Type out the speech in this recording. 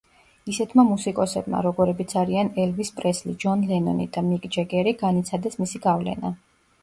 ისეთმა მუსიკოსებმა, როგორებიც არიან ელვის პრესლი, ჯონ ლენონი და მიკ ჯეგერი, განიცადეს მისი გავლენა.